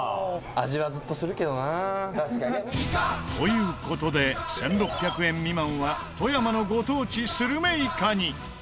「味はずっとするけどな」という事で１６００円未満は富山のご当地スルメイカに。